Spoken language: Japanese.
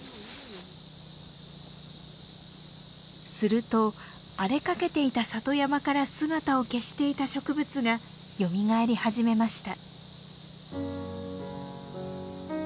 すると荒れかけていた里山から姿を消していた植物がよみがえり始めました。